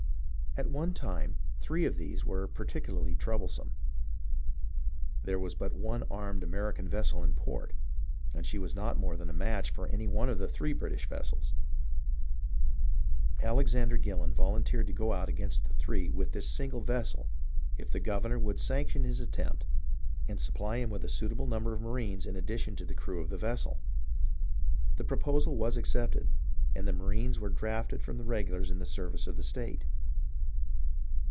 At one time three of these were particularly troublesome. There was but one armed (American) vessel in port, and she was not more than a match for any one of the three British vessels. Alexander Gillon volunteered to go out against the three with this single vessel if the governor would sanction his attempt and supply him with a suitable number of marines in addition to the crew of the vessel. The proposal was accepted, and the marines were drafted from the regulars in the service of the state.